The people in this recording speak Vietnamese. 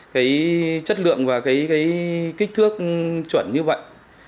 cái chất lượng và cái kích thước chuẩn như vậy